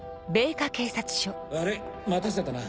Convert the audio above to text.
悪い待たせたな。